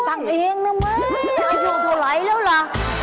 ตั้งเองนะไหมตั้งเท่าไหร่แล้วล่ะ